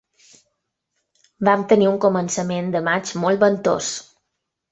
Vam tenir un començament de maig molt ventós.